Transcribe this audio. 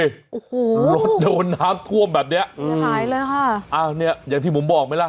โอ้โหรถโดนน้ำท่วมแบบเนี้ยอืมหายเลยค่ะอ้าวเนี้ยอย่างที่ผมบอกไหมล่ะ